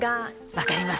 分かります。